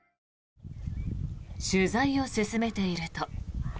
取材を進めていると。